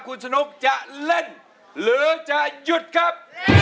คุณสนุกจะเล่นหรือจะหยุดครับ